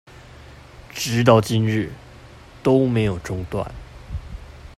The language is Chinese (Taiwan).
直到今日都沒有中斷